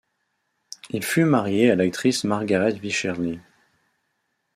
Il fut marié à l'actrice Margaret Wycherly.